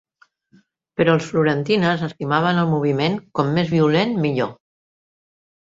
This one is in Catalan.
Però els Florentines estimaven el moviment, com més violent, millor.